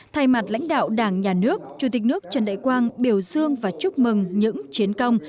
thay mặt lãnh đạo đảng nhà nước chủ tịch nước trần đại quang biểu dương và chúc mừng những chiến công